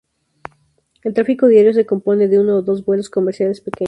El tráfico diario se compone de uno o dos vuelos comerciales pequeños.